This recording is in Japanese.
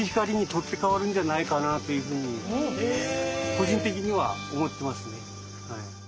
個人的には思ってますね。